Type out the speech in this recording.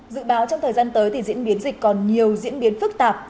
dự báo trong thời gian tới thì diễn biến dịch còn nhiều diễn biến phức tạp